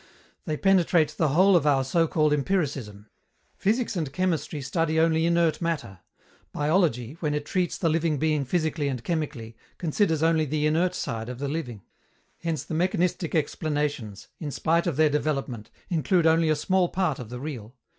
They penetrate the whole of our so called empiricism. Physics and chemistry study only inert matter; biology, when it treats the living being physically and chemically, considers only the inert side of the living: hence the mechanistic explanations, in spite of their development, include only a small part of the real.